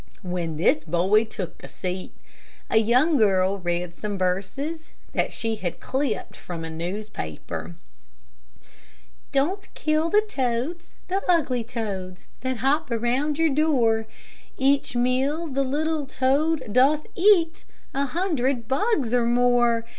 When this boy took a seat, a young girl read some verses that she had clipped from a newspaper: "Don't kill the toads, the ugly toads, That hop around your door; Each meal the little toad doth eat A hundred bugs or more.